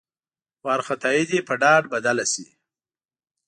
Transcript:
وارخطايي دې په ډاډ بدله شي.